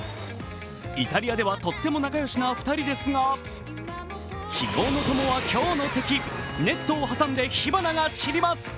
イタリアではとっても仲良しな２人ですが昨日の友は今日の敵、ネットを挟んで火花が散ります。